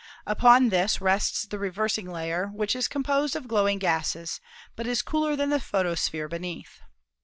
Upon this rests the reversing layer, which is com posed of glowing gases, but is cooler than the photosphere beneath.